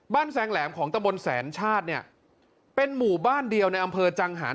แซงแหลมของตะบนแสนชาติเนี่ยเป็นหมู่บ้านเดียวในอำเภอจังหาร